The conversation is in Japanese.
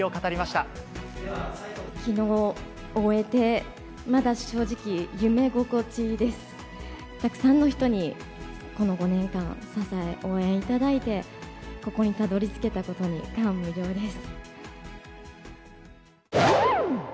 たくさんの人にこの５年間、支え、応援いただいて、ここにたどりつけたことに感無量です。